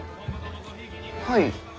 はい？